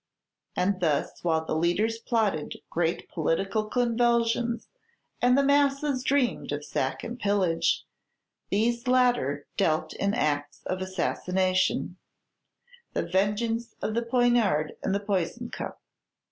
And thus while the leaders plotted great political convulsions, and the masses dreamed of sack and pillage, these latter dealt in acts of assassination, the vengeance of the poniard and the poison cup.